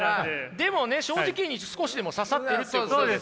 でもね正直に少しでも刺さってるっていうことですから。